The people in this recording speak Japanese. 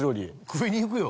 食いに行くよ。